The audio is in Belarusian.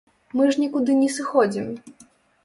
Мы ж нікуды не сыходзім!